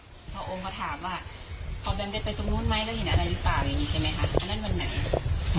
พ่อโอมก็ถามว่าพอแบมได้ไปตรงนู้นไหมแล้วเห็นอะไรหรือเปล่าอย่างนี้ใช่ไหมคะ